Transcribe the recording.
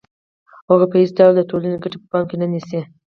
هغوی په هېڅ ډول د ټولنې ګټې په پام کې نه نیسي